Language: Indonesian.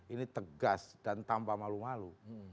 ini tegas dan tanpa malu malu